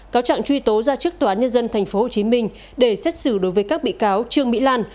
cáo trạng truy tố ra trước tòa án nhân dân tp hcm để xét xử đối với các bị cáo trương mỹ lan